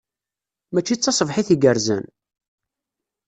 Mačči d taṣebḥit igerrzen?